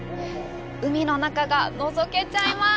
海の中がのぞけちゃいます。